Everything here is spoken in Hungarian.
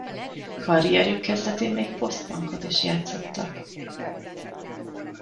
Karrierjük kezdetén még post-punkot is játszottak.